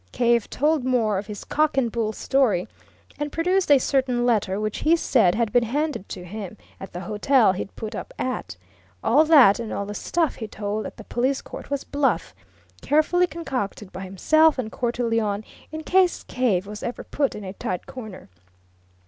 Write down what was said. Cave told more of his cock and bull story, and produced a certain letter which he said had been handed to him at the hotel he'd put up at. All that, and all the stuff he told at the police court, was bluff carefully concocted by himself and Cortelyon in case Cave was ever put in a tight corner.